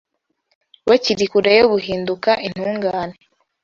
bakiri kure yo guhinduka intungane.